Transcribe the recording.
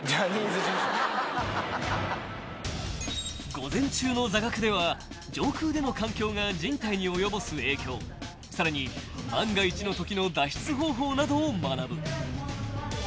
［午前中の座学では上空での環境が人体に及ぼす影響さらに万が一のときの脱出方法などを学ぶ］